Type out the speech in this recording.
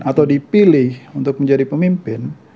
atau dipilih untuk menjadi pemimpin